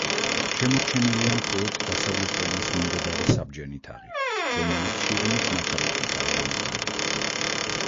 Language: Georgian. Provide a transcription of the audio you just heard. შემორჩენილია, მხოლოდ დასავლეთ კედლის მიმდებარე, საბჯენი თაღი, რომელიც შირიმის ნათალი ქვითაა გამოყვანილი.